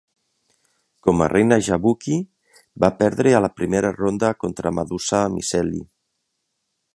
Com a Reina Jabuki, va perdre a la primera ronda contra Madusa Miceli.